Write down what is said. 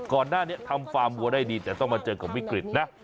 ก่อนหน้านี้ทำฟาร์มวัวได้ดีแต่ต้องมาเจอกับวิกฤตนะ